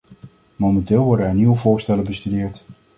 Momenteel worden er nieuwe voorstellen bestudeerd.